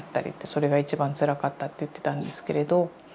それが一番つらかったって言ってたんですけれど。